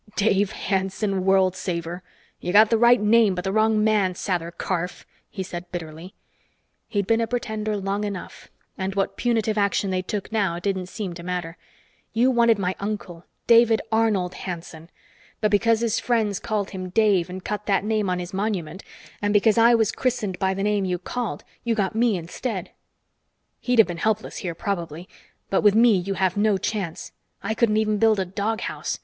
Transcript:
"Dave Hanson, world saver! You got the right name but the wrong man, Sather Karf," he said bitterly. He'd been a pretender long enough, and what punitive action they took now didn't seem to matter. "You wanted my uncle, David Arnold Hanson. But because his friends called him Dave and cut that name on his monument, and because I was christened by the name you called, you got me instead. He'd have been helpless here, probably, but with me you have no chance. I couldn't even build a doghouse.